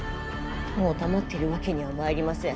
もう黙っているわけにはまいりません。